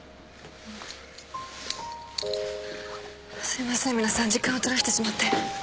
すいません皆さん時間を取らせてしまって。